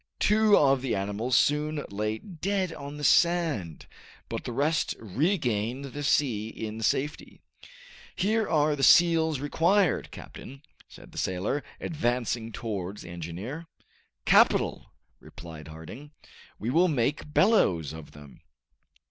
Two of the animals soon lay dead on the sand, but the rest regained the sea in safety. "Here are the seals required, captain!" said the sailor, advancing towards the engineer. "Capital," replied Harding. "We will make bellows of them!"